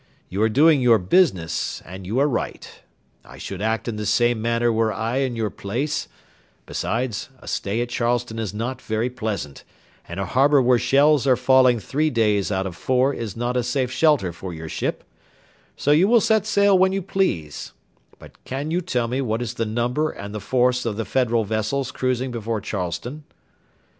You are doing your business, and you are right. I should act in the same manner were I in your place; besides, a stay at Charleston is not very pleasant, and a harbour where shells are falling three days out of four is not a safe shelter for your ship; so you will set sail when you please; but can you tell me what is the number and the force of the Federal vessels cruising before Charleston?"